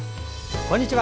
こんにちは。